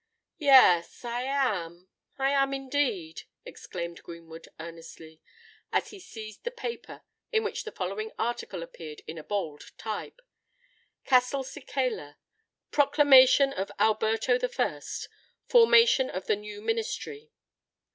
"Yes:—I am—I am indeed," exclaimed Greenwood, earnestly, as he seized the paper, in which the following article appeared in a bold type:— "CASTELCICALA. "PROCLAMATION OF ALBERTO I.—FORMATION OF THE NEW MINISTRY.